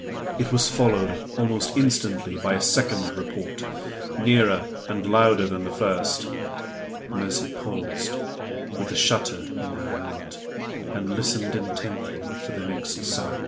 It was followed almost instantly by a second report, nearer and louder than the first. Mercy paused, with the shutter in her hand, and listened intently for the next sound.